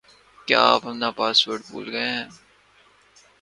کیا آپ اپنا پاسورڈ بھول گئے ہیں